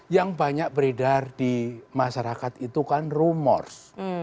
yang banyak beredar di masyarakat itu kan rumors